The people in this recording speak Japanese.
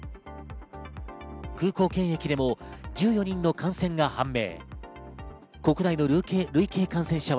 空港検疫でも１４人の感染が判明。